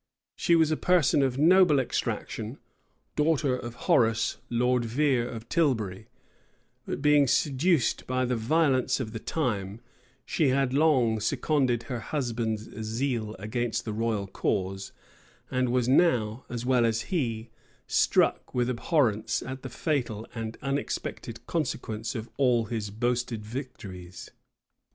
She was a person of noble extraction, daughter of Horace Lord Vere of Tilbury; but being seduced by the violence of the times, she had long seconded her husband's zeal against the royal cause, and was now, as well as he, struck with abhorrence at the fatal and unexpected consequence of all his boasted victories.